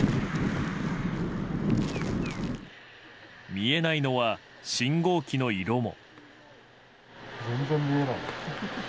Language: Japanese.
見えないのは信号機の色も。